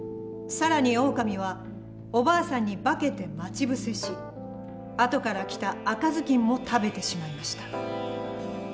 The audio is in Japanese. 更にオオカミはおばあさんに化けて待ち伏せし後から来た赤ずきんも食べてしまいました。